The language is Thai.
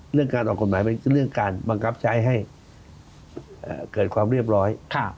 เรื่องการออกกฎหมายเป็นเรื่องการบังคับใช้ให้เกิดความเรียบร้อย